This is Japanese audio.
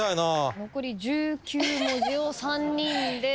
残り１９文字を３人で。